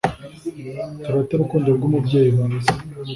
turate urukundo rw'umubyeyi mwiza